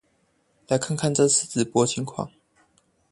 來看看這次直播狀況